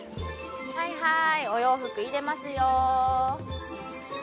はいはいお洋服入れますよ。